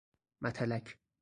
متلک